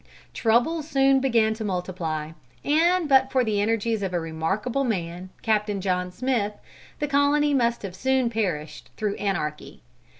Troubles soon began to multiply, and but for the energies of a remarkable man, Capt. John Smith, the colony must soon have perished through anarchy.